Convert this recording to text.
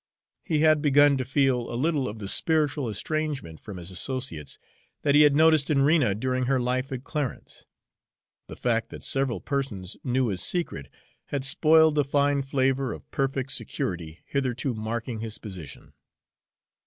He had begun to feel a little of the spiritual estrangement from his associates that he had noticed in Rena during her life at Clarence. The fact that several persons knew his secret had spoiled the fine flavor of perfect security hitherto marking his position.